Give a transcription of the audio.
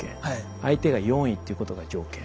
相手が４位っていうことが条件。